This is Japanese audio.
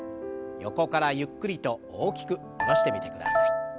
横からゆっくりと大きく下ろしてみてください。